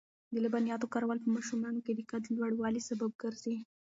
د لبنیاتو کارول په ماشومانو کې د قد د لوړوالي سبب ګرځي.